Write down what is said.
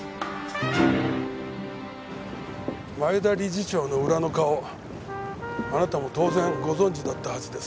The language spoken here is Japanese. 前田理事長の裏の顔あなたも当然ご存じだったはずです。